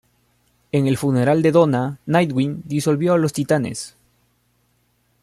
En el funeral de Donna, Nightwing disolvió a los Titanes.